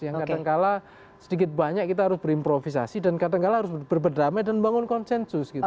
yang kadangkala sedikit banyak kita harus berimprovisasi dan kadangkala harus berberdamai dan membangun konsensus gitu